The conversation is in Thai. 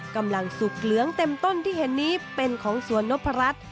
กำลังสุกเหลืองเต็มต้นที่เห็นนี้เป็นของสวนนพรัช